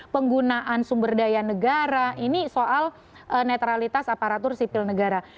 penggunaan sumber daya negara ini soal netralitas aparatur sipil negara